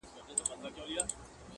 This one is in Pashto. راسه دروې ښيم,